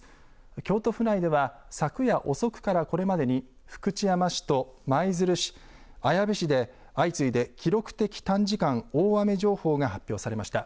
京都府内では昨夜遅くからこれまでに福知山市と舞鶴市、綾部市で相次いで記録的短時間大雨情報が発表されました。